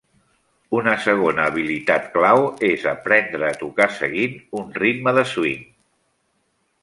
Una segona habilitat clau és aprendre a tocar seguint un ritme de swing.